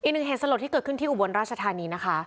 อีกหนึ่งเหตุสลดที่เกิดขึ้นที่อุบลราชธานีนะคะ